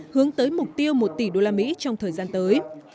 hướng tới mục tiêu một tỷ đô la mỹ trong thời gian tới